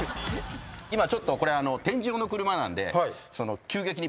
今ちょっと展示用の車なんで。